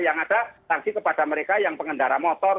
yang ada sanksi kepada mereka yang pengendara motor